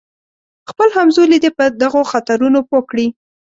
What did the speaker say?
خپل همزولي دې په دغو خطرونو پوه کړي.